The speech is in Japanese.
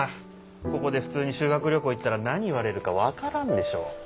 ここで普通に修学旅行行ったら何言われるか分からんでしょ。